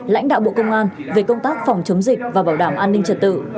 lãnh đạo bộ công an về công tác phòng chống dịch và bảo đảm an ninh trật tự